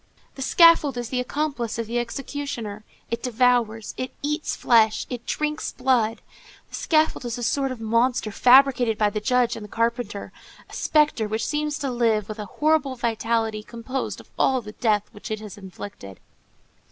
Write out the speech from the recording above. The scaffold is the accomplice of the executioner; it devours, it eats flesh, it drinks blood; the scaffold is a sort of monster fabricated by the judge and the carpenter, a spectre which seems to live with a horrible vitality composed of all the death which it has inflicted.